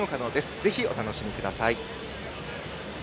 ぜひ、お楽しみください。